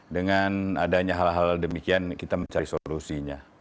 dengan adanya hal hal demikian kita mencari solusinya